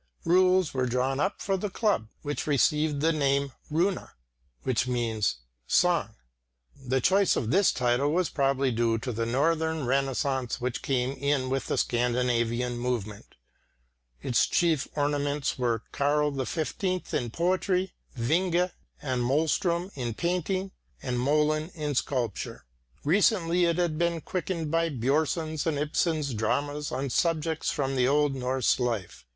Rules were drawn up for the club, which received the name "Runa," i.e. "song." The choice of this title was probably due to the Northern renaissance which came in with the Scandinavian movement. Its chief ornaments were Karl XV in poetry, Winge and Malmström in painting, and Molin in sculpture. Recently it had been quickened by Björnson's and Ibsen's dramas on subjects from the old Norse life.